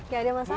tidak ada masalah